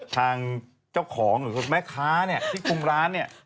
ทางเจ้าของหรือแม่ค้าที่โครงร้านเนี่ย